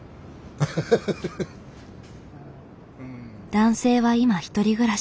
男性は今１人暮らし。